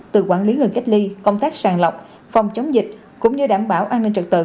từ quản lý người cách ly công tác sàng lọc phòng chống dịch cũng như đảm bảo an ninh trật tự